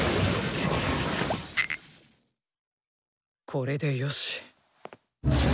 これでよし。